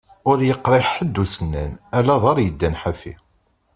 Ur yeqriḥ ḥedd usennan, ala aḍar yeddan ḥafi.